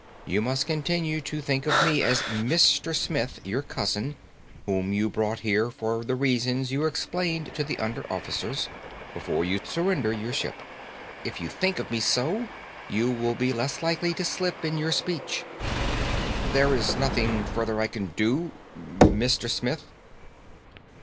You must continue to think of me as Mister Smith, your cousin, whom you brought here for the reasons you explained to the under officers, before you surrender your ship. If you think of me so, you will be less likely to slip in your speech." "There is nothing further I can do Mister Smith?"